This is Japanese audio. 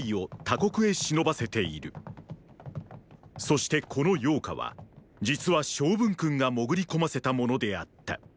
そしてこの姚賈は実は昌文君が潜り込ませた者であった。